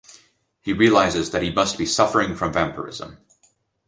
He realizes that he must be suffering from vampirism.